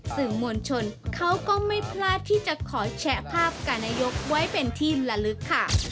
สื่อมวลชนเขาก็ไม่พลาดที่จะขอแชะภาพการนายกไว้เป็นที่ละลึกค่ะ